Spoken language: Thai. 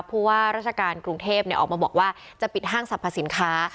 ผู้ว่าราชการกรุงเทพออกมาบอกว่าจะปิดห้างสรรพสินค้า